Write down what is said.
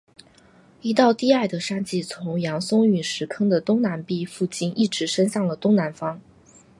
一道低矮的山脊从扬松陨石坑的东南壁附近一直伸向了东南方。